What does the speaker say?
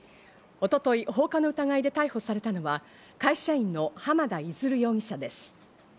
一昨日、放火の疑いで逮捕されたのは会社員の浜田出容疑者です。